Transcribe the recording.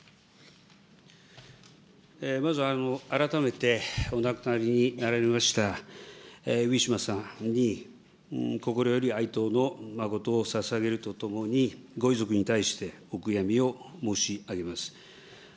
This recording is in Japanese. まず改めて、お亡くなりになられました、ウィシュマさんに心より哀悼の誠をささげるとともに、ご遺族に対してお悔やみを申し上げます。